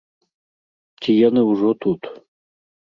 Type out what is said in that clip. Ці яны ўжо тут?